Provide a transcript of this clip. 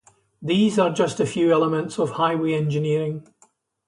These are just a few elements of highway engineering.